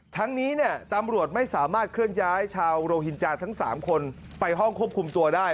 ทั้งนี้เนี่ยตำรวจไม่สามารถเคลื่อนย้ายชาวโรฮินจาทั้ง๓คนไปห้องควบคุมตัวได้